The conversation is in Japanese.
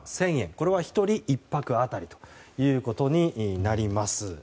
これは、１人１泊当たりということになります。